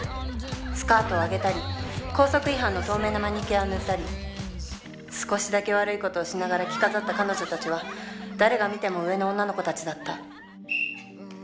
スカートをあげたり校則違反の透明のマニキュアを塗ったり少しだけ悪いことをしながら着飾った彼女たちは誰が見ても“上”の女の子たちだった。